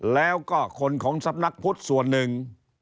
แล้วก็คนของสำนักพุทธส่วนหนึ่ง